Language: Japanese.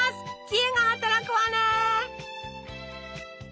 知恵が働くわね！